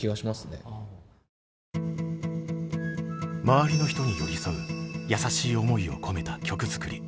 周りの人に寄り添う優しい思いを込めた曲作り。